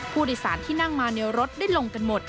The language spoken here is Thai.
ผู้โดยสารที่นั่งมาในรถได้ลงกันหมด